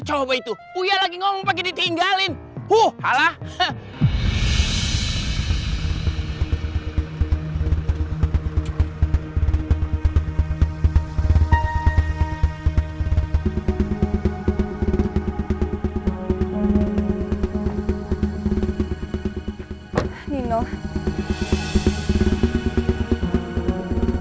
sampai jumpa di video selanjutnya